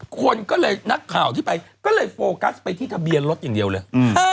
คนก็เลยนักข่าวที่ไปก็เลยโฟกัสไปที่ทะเบียนรถอย่างเดียวเลย